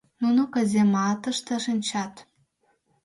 Нуно казематыште шинчат.